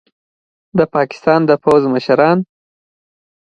د پاکستان د پوځ مشران